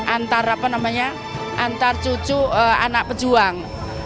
antara cucu anak pejuang